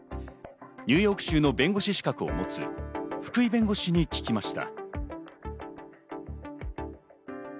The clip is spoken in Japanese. ニューヨーク州の弁護士資格を持つ福井弁護士に聞きました。